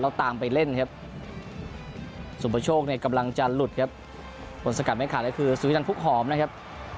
แล้วตามไปเล่นครับสุประโชคเนี่ยกำลังจะหลุดครับคนสกัดไม่ขาดก็คือสุวินันภุกหอมนะครับ